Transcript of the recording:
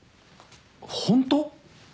ホント？